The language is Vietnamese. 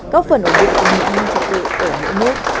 có phần ở việt nam những tài liệu mới về hai nước